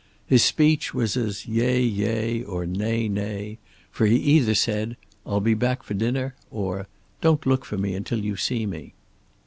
His speech was as Yea, yea, or Nay, nay, for he either said, "I'll be back for dinner," or "Don't look for me until you see me."